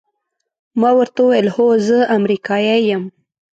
ما ورته وویل: هو، زه امریکایی یم.